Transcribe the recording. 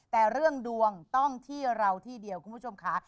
แต่เรื่องดวงต้องที่เราที่เดียวคุณผู้ชมค่ะ